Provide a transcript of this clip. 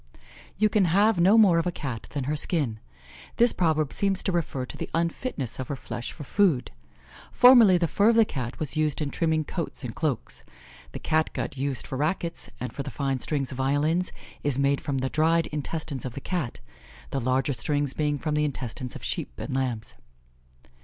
"You can have no more of a Cat than her skin." This proverb seems to refer to the unfitness of her flesh for food. Formerly the fur of the Cat was used in trimming coats and cloaks. The Cat gut used for rackets, and for the fine strings of violins, is made from the dried intestines of the Cat, the larger strings being from the intestines of sheep and lambs.